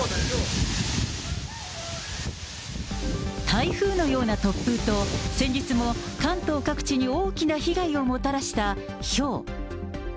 台風のような突風と、先日も関東各地に大きな被害をもたらしたひょう。